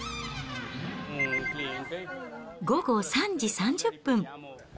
午後３時３０分。